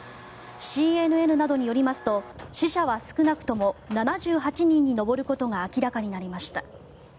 ＣＮＮなどによりますと死者は少なくとも７８人に上ることが明らかになりました。